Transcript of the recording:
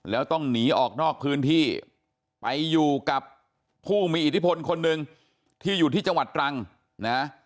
แล้วต้องหนีออกนอกพื้นที่ไปอยู่กับผู้มีอิทธิพลคนหนึ่งที่อยู่ที่จังหวัดตรังนะ